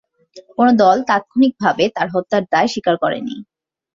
কোন দল তাৎক্ষণিকভাবে তার হত্যার দায় স্বীকার করে নি।